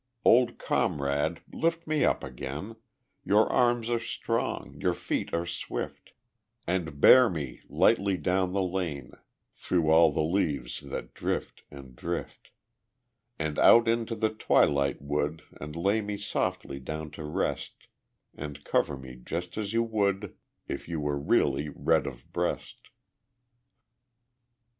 Old comrade, lift me up again; Your arms are strong, your feet are swift, And bear me lightly down the lane Through all the leaves that drift and drift, And out into the twilight wood, And lay me softly down to rest, And cover me just as you would If you were really Red of breast.